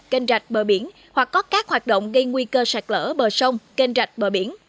kênh rạch bờ biển hoặc có các hoạt động gây nguy cơ sạt lỡ bờ sông kênh rạch bờ biển